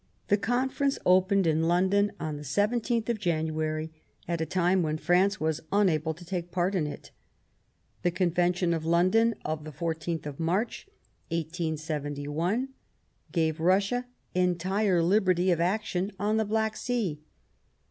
The Confer ence opened in London on the 17th of January, at a time when France was unable to take part in it. The Convention of London of the 14th of March, 1871, gave Russia entire liberty of action on the Black Sea.